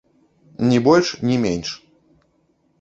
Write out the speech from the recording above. Ні больш, ні менш.